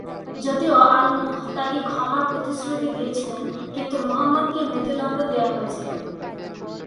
যদিও আল-মুহতাদি ক্ষমার প্রতিশ্রুতি দিয়েছিলেন, কিন্তু মুহাম্মদকে মৃত্যুদণ্ড দেওয়া হয়েছিল।